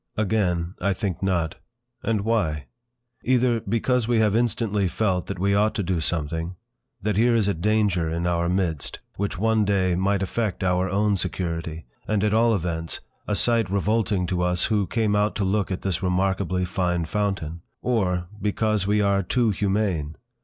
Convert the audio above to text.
Again, I think, not. And why? Either, because we have instantly felt that we ought to do something; that here is a danger in our midst, which one day might affect our own security; and at all events, a sight revolting to us who came out to look at this remarkably fine fountain. Or, because we are too humane!